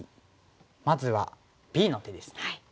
まずはＢの手ですね。